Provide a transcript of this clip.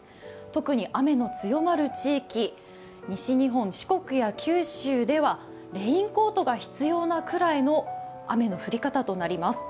特に雨の強まる地域、西日本、四国や九州ではレインコートが必要なくらいの雨の降り方となります。